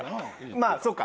まあそうか。